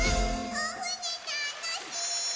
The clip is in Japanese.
おふねたのしい！